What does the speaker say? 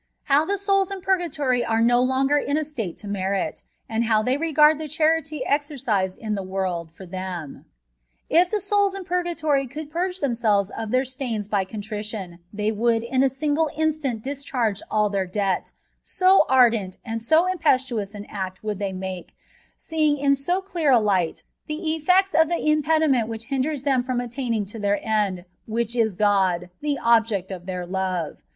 HOW THE SOULS IN PURGATORY ARB NO LONOER IN A STATE TO HERIT, AND HOW THET REGARD THE CHARITT EXERCISED IN THE WORLD POR THEM. If the sonls in purgatory could purge themselves of their stains by contrition, they "wonld in a single instant discharge ali their debt, so ardent and so impetnons an act wonld they make, seeing in so clear a light the e£fects of the impediment which hinders them from attaining to their end, which is Grod, the objecst of their love.